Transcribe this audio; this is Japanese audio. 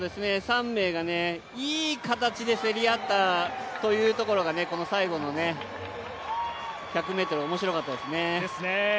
３名がいい形で競り合ったというところがこの最後の１００ｍ、おもしろかったですね。